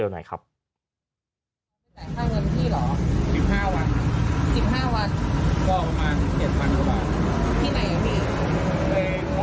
แล้วเขาก็ไม่ใส่คนที่เลย